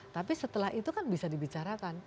tapi setelah itu kan bisa dibicarakan